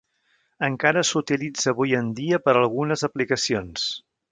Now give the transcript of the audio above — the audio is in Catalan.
Encara s'utilitza avui en dia per algunes aplicacions.